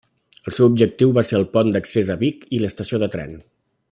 El seu objectiu va ser el pont d'accés a Vic i l'estació de tren.